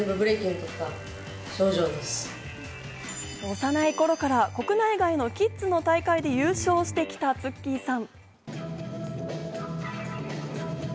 幼い頃から国内外のキッズの大会で優勝してきたＴＳＵＫＫＩさん。